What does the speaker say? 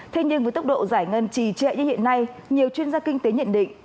thế nhưng với tốc độ giải ngân trì trệ như hiện nay nhiều chuyên gia kinh tế nhận định